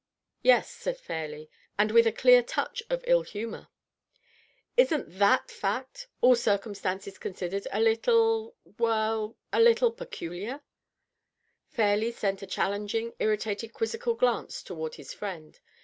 " Yes," said Fairleigh, and with a clear touch of ill humor. ^^ Isn't {hat fact, all circumstances considered, a little .• well, a little .. peculiar?" Fairleigh sent a challenging, irritated, quizzical glance toward his friend.